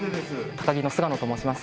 タカギの菅野と申します